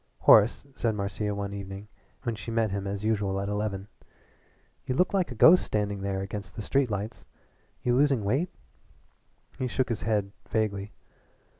"Horace," said Marcia one evening when she met him as usual at eleven, "you looked like a ghost standing there against the street lights. You losing weight?" He shook his head vaguely.